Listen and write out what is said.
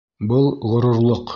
Был — ғорурлыҡ!